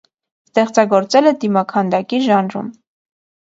Ստեղծագործել է դիմաքանդակի ժանրում։